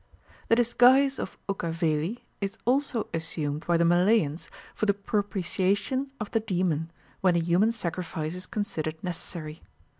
The disguise of Ucchaveli is also assumed by the Malayans for the propitiation of the demon, when a human sacrifice is considered necessary.